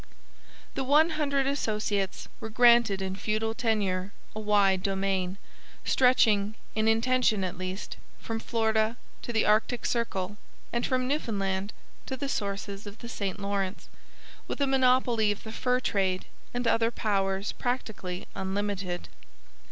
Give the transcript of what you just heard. The One Hundred Associates were granted in feudal tenure a wide domain stretching, in intention at least, from Florida to the Arctic Circle and from Newfoundland to the sources of the St Lawrence, with a monopoly of the fur trade and other powers practically unlimited.